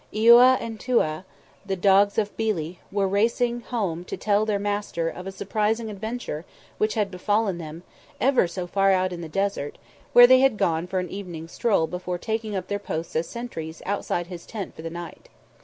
Iouaa and Touaa, the dogs of Billi, were racing home to tell their master of a surprising adventure which had befallen them, ever so far out in the desert, where they had gone for an evening stroll before taking up their posts as sentries outside his tent for the night.